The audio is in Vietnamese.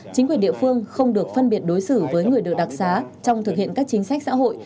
chính quyền địa phương không được phân biệt đối xử với người được đặc xá trong thực hiện các chính sách xã hội